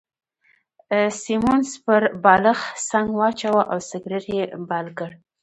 سیمونز پر بالښت څنګ واچاوه او سګرېټ يې بل کړ.